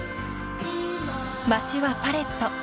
［街はパレット］